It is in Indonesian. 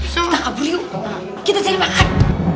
kita kabur yuk kita seri makan